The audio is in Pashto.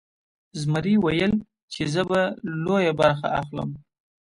زمري ویل چې زه به لویه برخه اخلم.